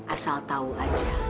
asal tahu aja